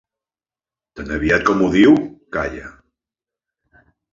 Tan aviat com ho diu, calla.